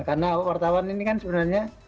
karena wartawan ini kan sebenarnya